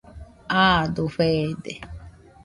Aado feede.